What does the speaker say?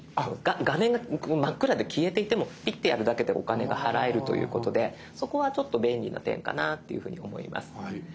画面が真っ暗で消えていてもピッてやるだけでお金が払えるということでそこはちょっと便利な点かなっていうふうに思います。